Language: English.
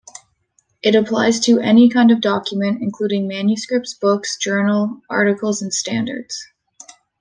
It applies to any kind of document, including manuscripts, books, journal articles, and standards.